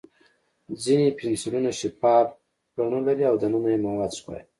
ځینې پنسلونه شفاف بڼه لري او دننه یې مواد ښکاري.